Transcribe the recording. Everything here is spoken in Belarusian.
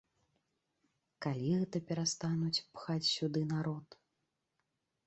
Калі гэта перастануць пхаць сюды народ?!